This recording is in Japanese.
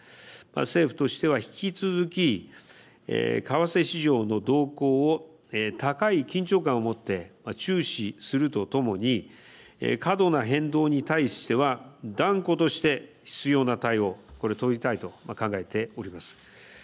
政府としては引き続き為替市場の動向を高い緊張感を持って注視するとともに過度な変動に対しては断固として必要な対応これを取りたいと考えております。